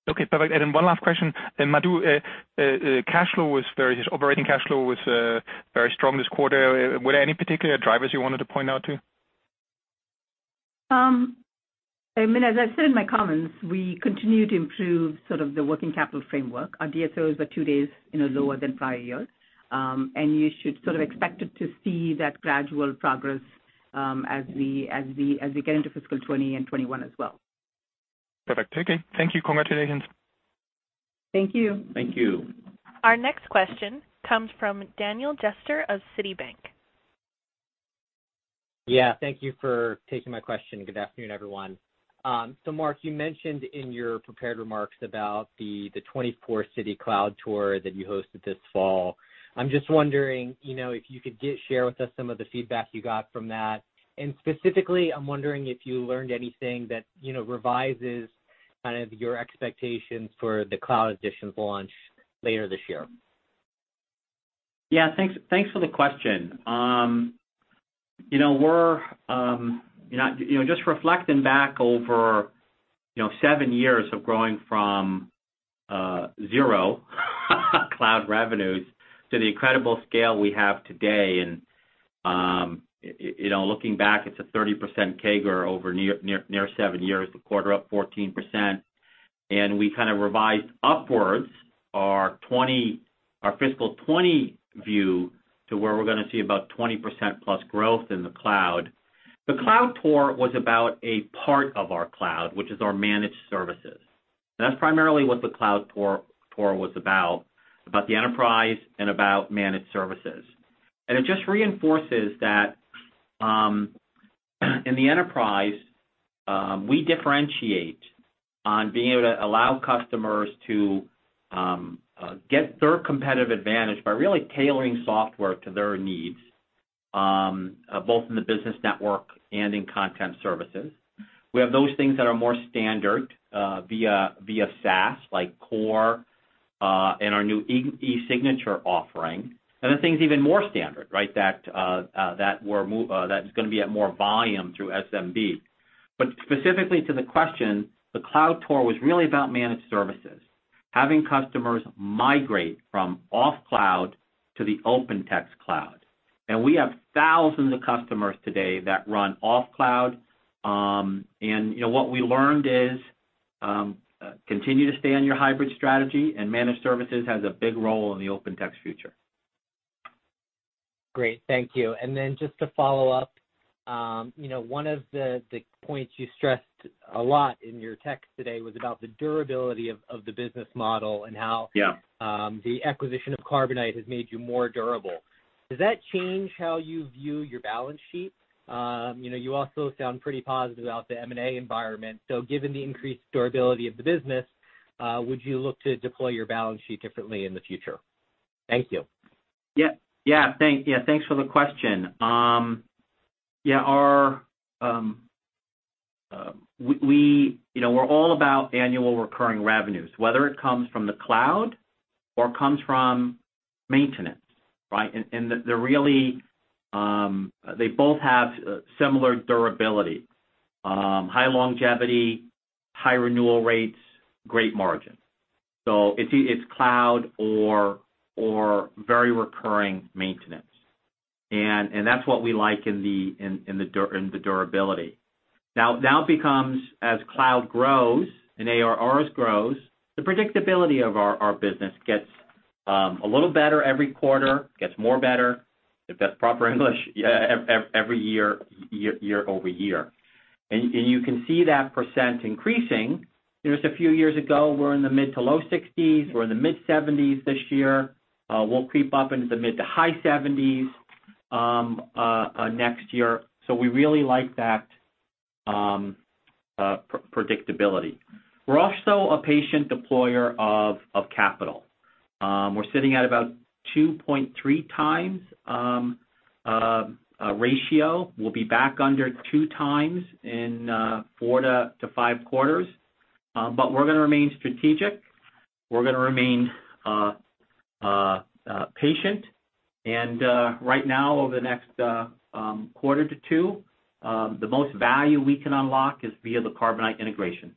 Okay, perfect. One last question. Madhu, operating cash flow was very strong this quarter. Were there any particular drivers you wanted to point out too? I mean, as I said in my comments, we continue to improve sort of the working capital framework. Our DSOs are two days lower than prior year. You should sort of expect to see that gradual progress as we get into fiscal 2020 and fiscal 2021 as well. Perfect. Okay. Thank you. Congratulations. Thank you. Thank you. Our next question comes from Daniel Jester of Citibank. Yeah. Thank you for taking my question. Good afternoon, everyone. Mark, you mentioned in your prepared remarks about the 24-city cloud tour that you hosted this fall. I'm just wondering if you could share with us some of the feedback you got from that. Specifically, I'm wondering if you learned anything that revises kind of your expectations for the Cloud Editions launch later this year. Yeah. Thanks for the question. Just reflecting back over seven years of growing from zero cloud revenues to the incredible scale we have today, looking back, it's a 30% CAGR over near seven years, the quarter up 14%. We kind of revised upwards our fiscal 2020 view to where we're going to see about 20%+ growth in the cloud. The cloud tour was about a part of our cloud, which is our managed services. That's primarily what the cloud tour was about the enterprise and about managed services. It just reinforces that in the enterprise, we differentiate on being able to allow customers to get their competitive advantage by really tailoring software to their needs, both in the Business Network and in Content Services. We have those things that are more standard via SaaS, like Core, and our new eSignature offering. Things even more standard that is going to be at more volume through SMB. Specifically to the question, the cloud tour was really about managed services, having customers migrate from off cloud to the OpenText cloud. We have thousands of customers today that run off cloud. What we learned is continue to stay on your hybrid strategy and managed services has a big role in the OpenText future. Great. Thank you. Just to follow up, one of the points you stressed a lot in your text today was about the durability of the business model. Yeah the acquisition of Carbonite has made you more durable. Does that change how you view your balance sheet? You also sound pretty positive about the M&A environment. Given the increased durability of the business, would you look to deploy your balance sheet differently in the future? Thank you. Yeah. Thanks for the question. We're all about annual recurring revenues, whether it comes from the cloud or comes from maintenance, right? They both have similar durability, high longevity, high renewal rates, great margin. It's cloud or very recurring maintenance. That's what we like in the durability. Now it becomes, as cloud grows and ARRs grows, the predictability of our business gets a little better every quarter, gets more better, if that's proper English, every year-over-year. You can see that % increasing. Just a few years ago, we're in the mid to low 60s. We're in the mid 70s this year. We'll creep up into the mid to high 70s next year. We really like that predictability. We're also a patient deployer of capital. We're sitting at about 2.3x ratio. We'll be back under 2x in four to five quarters. We're going to remain strategic. We're going to remain patient. Right now, over the next quarter to two, the most value we can unlock is via the Carbonite integration.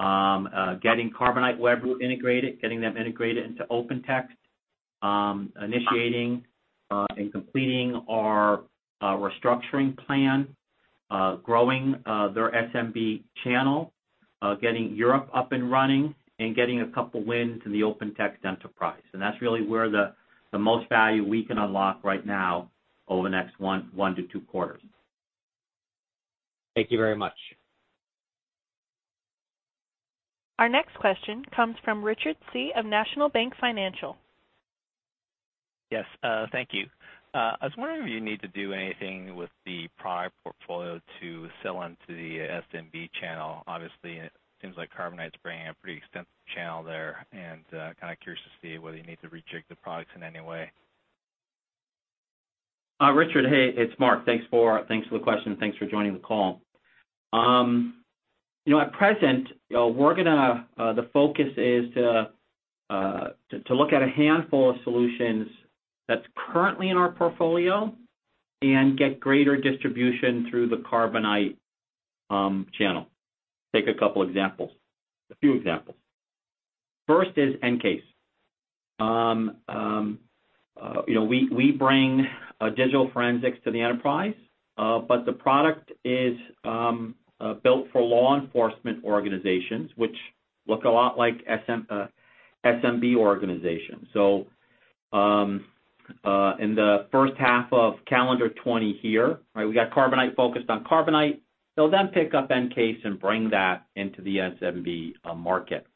Getting Carbonite Webroot integrated, getting them integrated into OpenText, initiating and completing our restructuring plan, growing their SMB channel, getting Europe up and running, and getting a couple wins in the OpenText enterprise. That's really where the most value we can unlock right now over the next one to two quarters. Thank you very much. Our next question comes from Richard Tse of National Bank Financial. Yes, thank you. I was wondering if you need to do anything with the product portfolio to sell into the SMB channel. Obviously, it seems like Carbonite's bringing a pretty extensive channel there, and kind of curious to see whether you need to re-check the products in any way. Richard, hey, it's Mark. Thanks for the question. Thanks for joining the call. At present, the focus is to look at a handful of solutions that's currently in our portfolio and get greater distribution through the Carbonite channel. Take a couple examples, a few examples. First is EnCase. We bring digital forensics to the enterprise, but the product is built for law enforcement organizations, which look a lot like SMB organizations. In the first half of calendar 2020 here, we got Carbonite focused on Carbonite. They'll then pick up EnCase and bring that into the SMB market.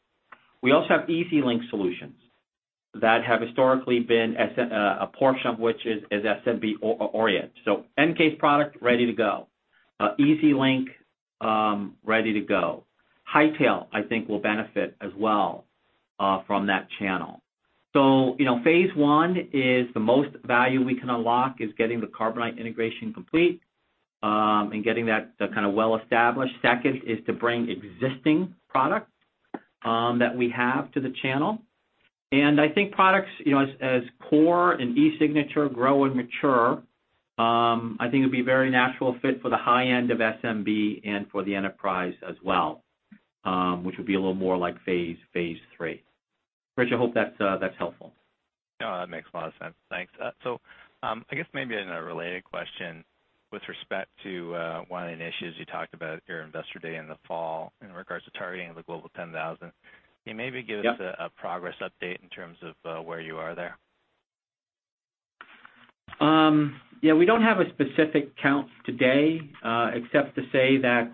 We also have EasyLink solutions that have historically been a portion of which is SMB-oriented. EnCase product, ready to go. EasyLink, ready to go. Hightail, I think, will benefit as well from that channel. Phase 1 is the most value we can unlock is getting the Carbonite integration complete, and getting that well-established. Second is to bring existing product that we have to the channel. I think products, as Core and eSignature grow and mature, I think it'd be a very natural fit for the high end of SMB and for the enterprise as well, which would be a little more like phase III. Richard, I hope that's helpful. No, that makes a lot of sense. Thanks. I guess maybe in a related question, with respect to one of the initiatives you talked about at your investor day in the fall in regards to targeting the Global 10,000, can you maybe give us? Yep a progress update in terms of where you are there? We don't have a specific count today, except to say that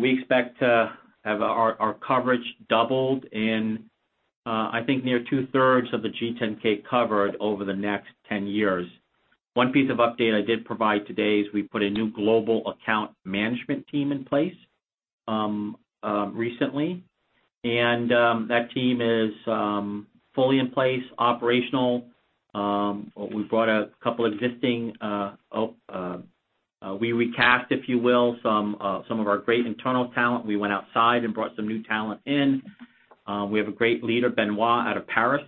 we expect to have our coverage doubled in, I think, near 2/3 of the G10K covered over the next 10 years. One piece of update I did provide today is we put a new global account management team in place recently. That team is fully in place, operational. We recast, if you will, some of our great internal talent. We went outside and brought some new talent in. We have a great leader, Benoit, out of Paris,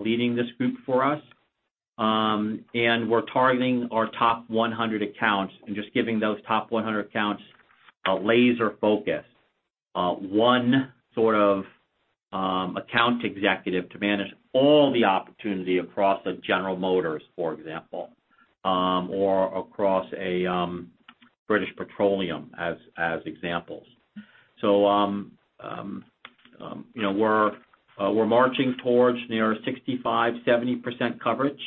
leading this group for us. We're targeting our top 100 accounts and just giving those top 100 accounts a laser focus. One sort of account executive to manage all the opportunity across a General Motors, for example, or across a British Petroleum, as examples. We're marching towards near 65, 70% coverage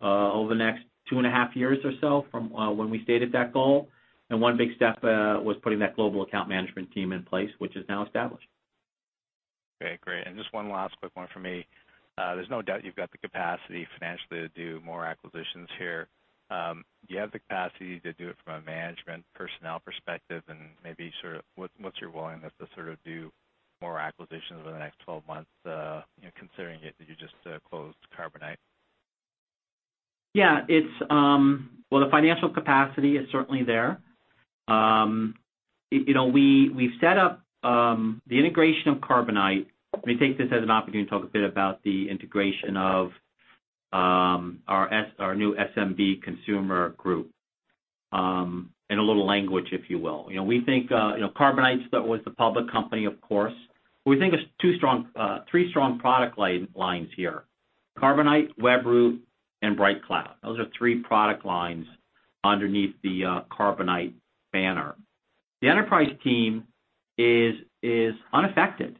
over the next two and a half years or so from when we stated that goal. One big step was putting that global account management team in place, which is now established. Okay, great. Just one last quick one from me. There's no doubt you've got the capacity financially to do more acquisitions here. Do you have the capacity to do it from a management personnel perspective, and maybe sort of what's your willingness to sort of do more acquisitions over the next 12 months, considering that you just closed Carbonite? Yeah. Well, the financial capacity is certainly there. We've set up the integration of Carbonite. Let me take this as an opportunity to talk a bit about the integration of our new SMB consumer group in a little language, if you will. Carbonite was the public company, of course. We think there's three strong product lines here, Carbonite, Webroot, and BrightCloud. Those are three product lines underneath the Carbonite banner. The enterprise team is unaffected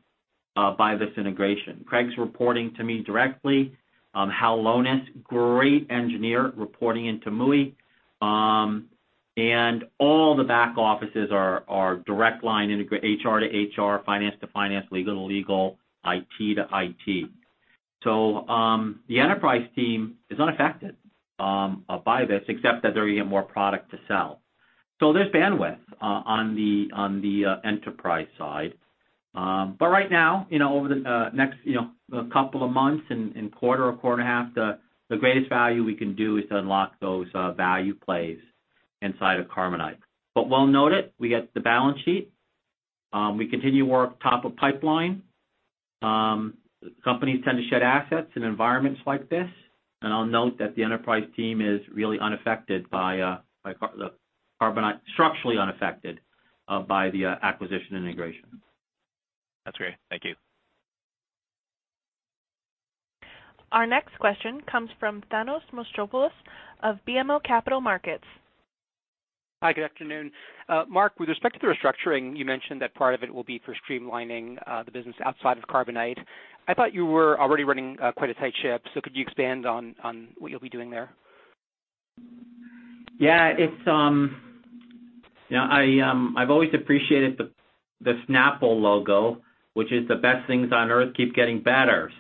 by this integration. Craig's reporting to me directly. Hal Lonas, great engineer, reporting into Muhi. All the back offices are direct line integrate, HR to HR, finance to finance, legal to legal, IT to IT. The enterprise team is unaffected by this, except that they're getting more product to sell. There's bandwidth on the enterprise side. Right now, over the next couple of months and quarter or quarter a half, the greatest value we can do is to unlock those value plays inside of Carbonite. We'll note it. We got the balance sheet. We continue to work top of pipeline. Companies tend to shed assets in environments like this, and I'll note that the enterprise team is really structurally unaffected by the acquisition integration. That's great. Thank you. Our next question comes from Thanos Moschopoulos of BMO Capital Markets. Hi, good afternoon. Mark, with respect to the restructuring, you mentioned that part of it will be for streamlining the business outside of Carbonite. I thought you were already running quite a tight ship, so could you expand on what you'll be doing there? Yeah. I've always appreciated the Snapple logo, which is the best things on Earth keep getting better.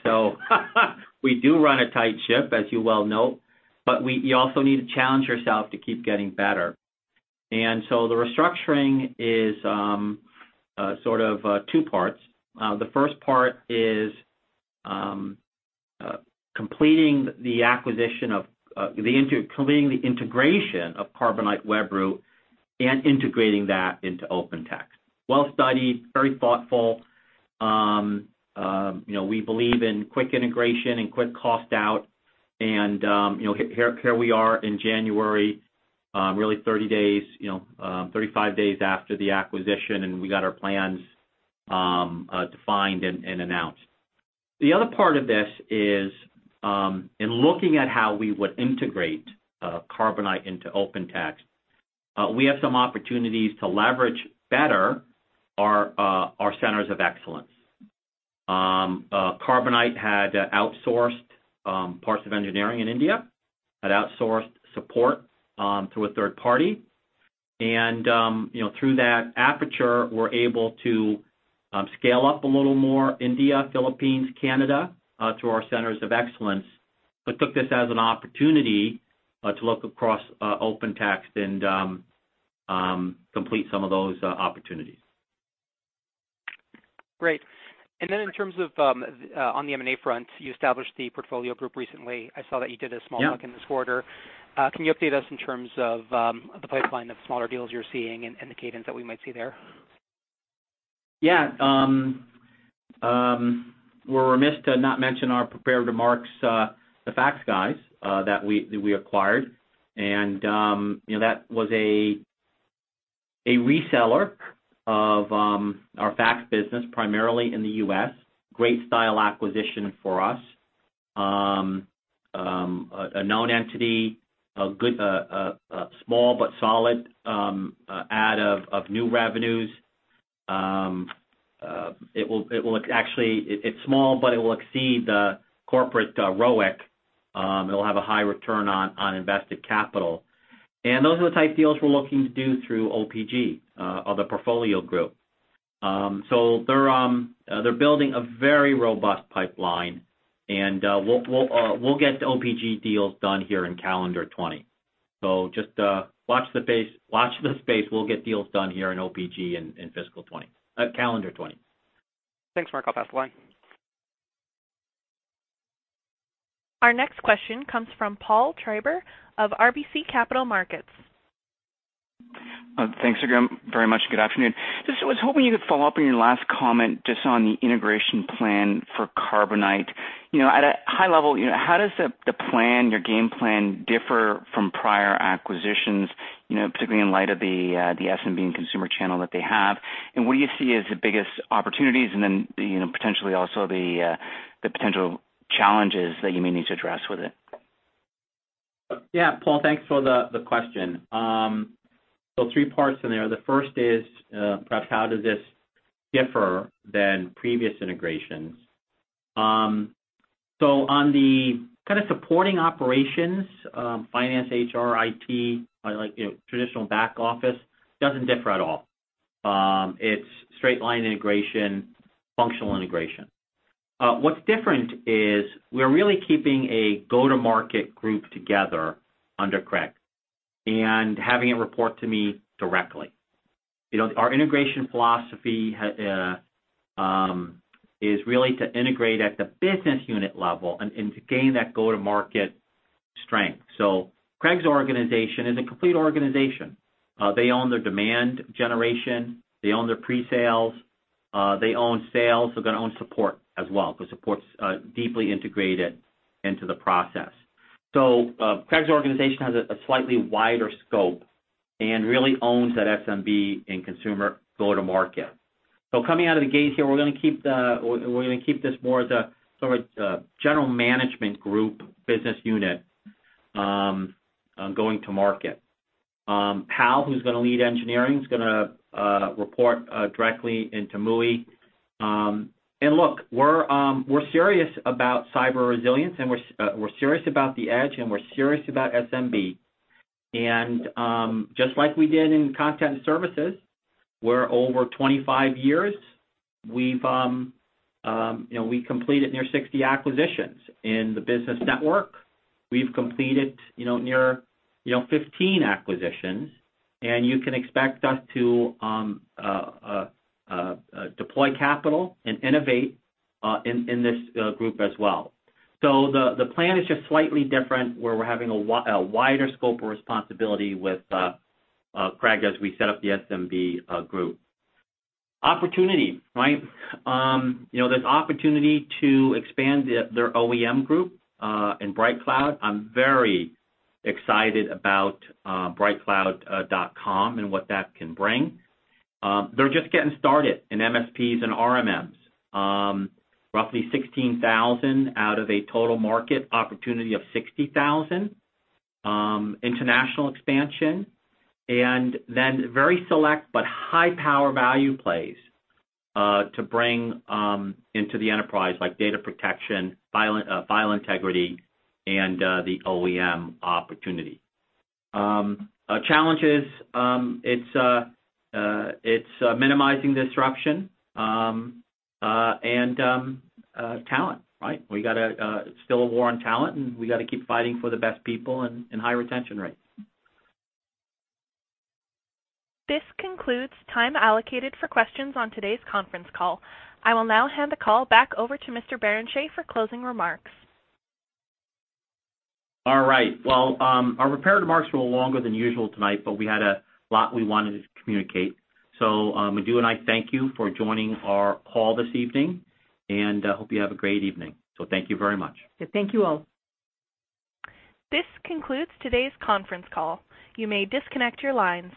We do run a tight ship, as you well know, but you also need to challenge yourself to keep getting better. The restructuring is sort of two parts. The first part is completing the integration of Carbonite Webroot and integrating that into OpenText. Well studied, very thoughtful. We believe in quick integration and quick cost out. Here we are in January, really 35 days after the acquisition, and we got our plans defined and announced. The other part of this is, in looking at how we would integrate Carbonite into OpenText, we have some opportunities to leverage better our centers of excellence. Carbonite had outsourced parts of engineering in India, had outsourced support to a third party. Through that aperture, we're able to scale up a little more India, Philippines, Canada, through our centers of excellence, but took this as an opportunity to look across OpenText and complete some of those opportunities. Great. Then in terms of on the M&A front, you established the portfolio group recently. I saw that you did a. Yeah nook in this quarter. Can you update us in terms of the pipeline of smaller deals you're seeing and the cadence that we might see there? We're remiss to not mention our prepared remarks the fax guys that we acquired. That was a reseller of our fax business, primarily in the U.S. Great style acquisition for us. A known entity, a small but solid add of new revenues. It's small, but it will exceed the corporate ROIC. It'll have a high return on invested capital. Those are the type deals we're looking to do through OPG, or the portfolio group. They're building a very robust pipeline, and we'll get OPG deals done here in calendar 2020. Just watch this space. We'll get deals done here in OPG in calendar 2020. Thanks, Mark. I'll pass the line. Our next question comes from Paul Treiber of RBC Capital Markets. Thanks again very much. Good afternoon. Was hoping you could follow up on your last comment just on the integration plan for Carbonite. At a high level, how does your game plan differ from prior acquisitions, particularly in light of the SMB and consumer channel that they have? What do you see as the biggest opportunities and then potentially also the potential challenges that you may need to address with it? Paul, thanks for the question. Three parts in there. The first is perhaps how does this differ than previous integrations. On the kind of supporting operations, finance, HR, IT, like traditional back office, doesn't differ at all. It's straight line integration, functional integration. What's different is we're really keeping a go-to-market group together under Craig and having it report to me directly. Our integration philosophy is really to integrate at the business unit level and to gain that go-to-market strength. Craig's organization is a complete organization. They own their demand generation, they own their pre-sales, they own sales, they're going to own support as well, because support's deeply integrated into the process. Craig's organization has a slightly wider scope and really owns that SMB and consumer go-to-market. Coming out of the gate here, we're going to keep this more as a sort of a general management group business unit going to market. Hal Lonas, who's going to lead engineering, is going to report directly into Muhi. Look, we're serious about Cyber Resilience, and we're serious about the edge, and we're serious about SMB. Just like we did in Content Services, we're over 25 years. We completed near 60 acquisitions. In the Business Network, we've completed near 15 acquisitions. You can expect us to deploy capital and innovate in this group as well. The plan is just slightly different, where we're having a wider scope of responsibility with Craig as we set up the SMB group. Opportunity, right? There's opportunity to expand their OEM group in BrightCloud. I'm very excited about brightcloud.com and what that can bring. They're just getting started in MSPs and RMMs. Roughly 16,000 out of a total market opportunity of 60,000. International expansion, and then very select but high-power value plays to bring into the enterprise, like data protection, file integrity, and the OEM opportunity. Challenges, it's minimizing disruption, and talent, right? It's still a war on talent, and we got to keep fighting for the best people and high retention rates. This concludes time allocated for questions on today's conference call. I will now hand the call back over to Mr. Barrenechea for closing remarks. All right. Well, our prepared remarks were longer than usual tonight, but we had a lot we wanted to communicate. Madhu and I thank you for joining our call this evening, and hope you have a great evening. Thank you very much. Yeah, thank you all. This concludes today's conference call. You may disconnect your lines.